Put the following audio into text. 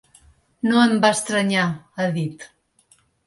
No em va estranyar, ha dit.